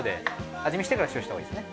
味見してから塩したほうがいいですね。